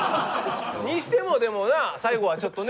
にしてもでもな最後はちょっとね